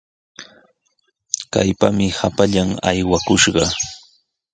¡Kaypami hapallan aywakushqa!